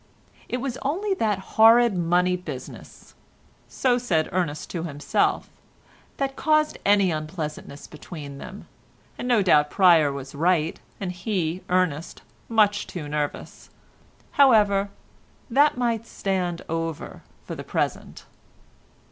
It was only that horrid money business (so said Ernest to himself) that caused any unpleasantness between them, and no doubt Pryer was right, and he, Ernest, much too nervous. However, that might stand over for the present.